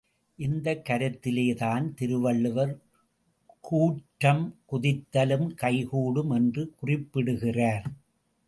இந்தக் கருத்திலேதான் திருவள்ளுவர், கூற்றம் குதித்தலும் கைகூடும் என்று குறிப்பிடுகிறார்.